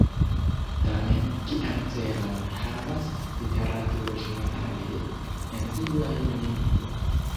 Tamen, kian celon havas literaturo ĝenerale, en iu ajn lingvo?